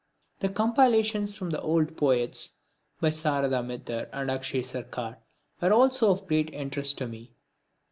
The compilations from the old poets by Sarada Mitter and Akshay Sarkar were also of great interest to me.